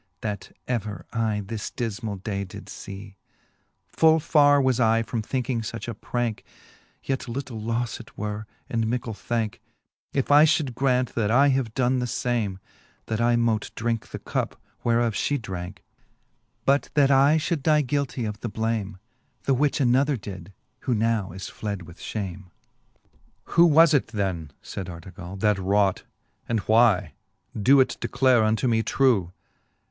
That ever I this difmall day did fee: Full fai're was I from thinking fuch a pranke ; Yet little lofle it were, and mickle thanke, If I fhould graunt, that I have doen the fame, That I mote drinke the cup, whereof fhe dranke j But that I fhould die guiltie of the blame, The which another did, who now is fled with fhame, XVI. Who was it then, fayd Artegall^ that wrought ? And why? Doe it declare unto me trew.